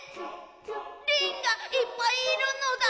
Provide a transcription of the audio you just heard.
リンがいっぱいいるのだ？